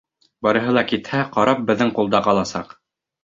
Барыһы ла китһә, карап беҙҙең ҡулда ҡаласаҡ.